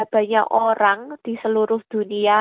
banyak orang di seluruh dunia